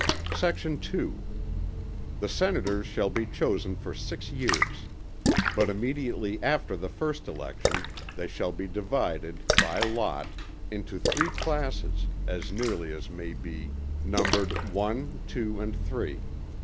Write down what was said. Sect. 2. The Senators shall be chosen for six years; but immediately after the first election they shall be divided, by lot, into three classes, as nearly as may be, numbered one, two and three.